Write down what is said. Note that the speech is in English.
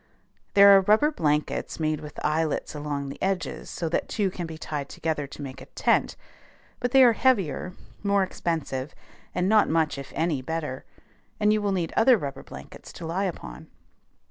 There are rubber blankets made with eyelets along the edges so that two can be tied together to make a tent; but they are heavier, more expensive, and not much if any better; and you will need other rubber blankets to lie upon.